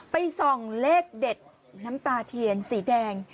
ส่องเลขเด็ดน้ำตาเทียนสีแดง